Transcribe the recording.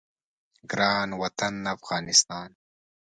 ګران وطن افغانستان